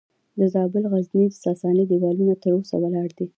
د زابل د غزنیې د ساساني دیوالونه تر اوسه ولاړ دي